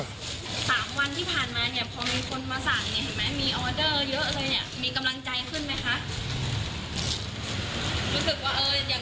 ๓วันที่ผ่านมาพอมีคนมาสั่งมีออเดอร์เยอะเลย